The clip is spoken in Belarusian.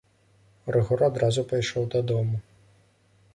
Рыгор адразу пайшоў дадому.